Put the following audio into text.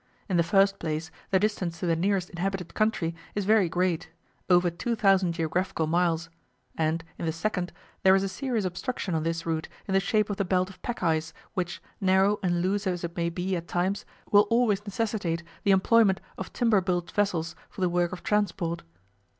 In the first place, the distance to the nearest inhabited country is very great over 2,000 geographical miles and in the second, there is a serious obstruction on this route in the shape of the belt of pack ice, which, narrow and loose as it may be at times, will always necessitate the employment of timber built vessels for the work of transport.